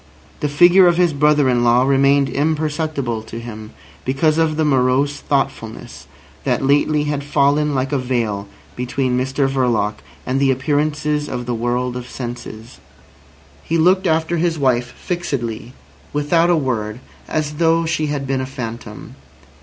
The figure of his brother in law remained imperceptible to him because of the morose thoughtfulness that lately had fallen like a veil between Mr Verloc and the appearances of the world of senses. He looked after his wife fixedly, without a word, as though she had been a phantom.